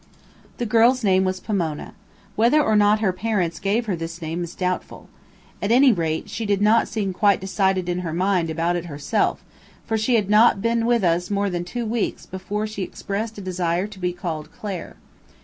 The girl's name was Pomona. Whether or not her parents gave her this name is doubtful. At any rate, she did not seem quite decided in her mind about it herself, for she had not been with us more than two weeks before she expressed a desire to be called Clare.